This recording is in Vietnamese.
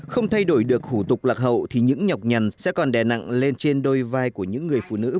không thay đổi được hủ tục lạc hậu thì những nhọc nhằn sẽ còn đè nặng lên trên đôi vàng